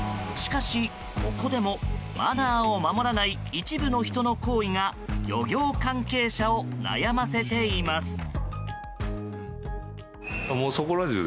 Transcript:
しかし、ここでもマナーを守らない一部の人の行為が漁業関係者を悩ませています。